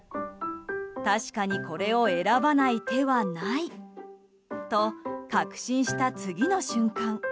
確かにこれを選ばない手はないと確信した、次の瞬間。